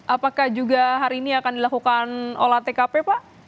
apakah juga hari ini akan dilakukan olah tkp pak